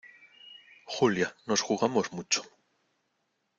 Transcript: Julia, nos jugamos mucho.